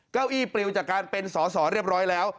เก้าอี้ปลิวจากการเป็นสอสอเรียบร้อยแล้ว